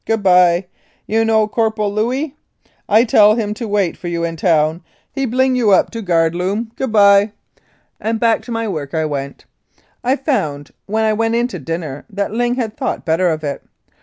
Good bye. You know Corp'l Louey? I tell him to wait for you in town, he bling you up to guard loom. 80 1898 1902. Lethbridge and Macleod Good bye !" and back to my work I went. I found wh&n 1 went in to dinner that Ling had thought better of it.